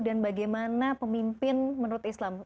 dan bagaimana pemimpin menurut islam